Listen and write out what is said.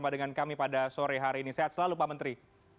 dan kami pada sore hari ini sehat selalu pak menteri